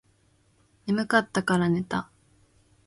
眠かったらから寝た